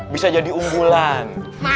bisa jadi unggulan